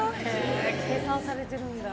計算されてるんだ。